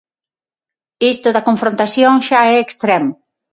Isto da confrontación xa é extremo.